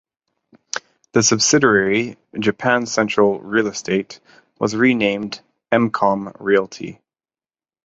The subsidiary Japan Central Real Estate was renamed Emcom Realty.